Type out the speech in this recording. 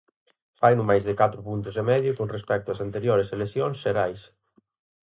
Faino máis de catro puntos e medio con respecto as anteriores eleccións xerais.